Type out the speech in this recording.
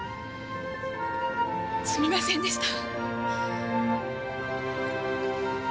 すみませんでした。